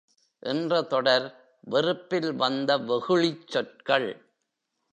என்ற தொடர் வெறுப்பில் வந்த வெகுளிச் சொற்கள்.